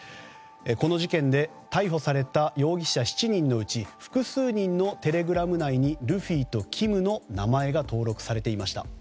この事件で逮捕された容疑者７人のうち複数人のテレグラム内にルフィとキムの名前が登録されていました。